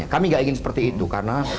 kami gak ingin seperti itu karena